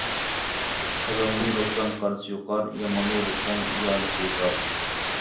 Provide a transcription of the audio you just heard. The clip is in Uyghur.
قازانغا يولۇقساڭ قارىسى يۇقار، يامانغا يولۇقساڭ يالىسى يۇقار.